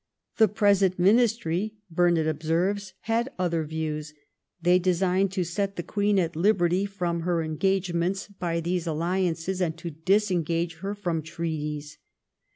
' The present ministry,' Burnet observes, ' had other views ; they designed to set the queen at liberty from her engagements by these alliances, and to disengage her from treaties.'